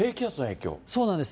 そうなんです。